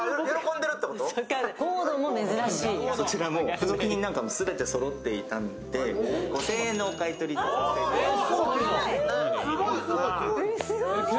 付属品なんかも全てそろっていたので、５０００円のお買い取りとさせていただきます。